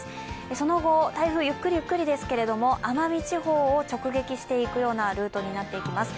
その後、台風、ゆっくりゆっくりですけど、奄美地方を直撃していくようなルートになっていきます。